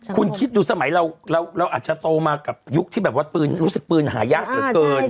คุณคิดดูสมัยเราอาจจะโตมากับยุคที่แบบว่าปืนรู้สึกปืนหายากเหลือเกิน